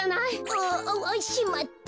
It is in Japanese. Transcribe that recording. あわわしまった！